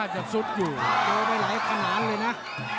เจอไปหลายขนาดเลยนะ